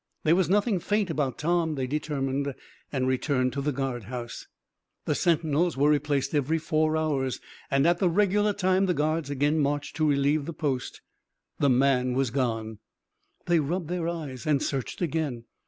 There was nothing faint about Tom, they determined, and returned to the guard house. The sentinels were replaced every four hours, and at the regular time the guard again marched to relieve the post. The man was gone! They rubbed their eyes, and searched again.